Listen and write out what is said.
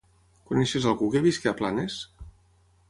Coneixes algú que visqui a Planes?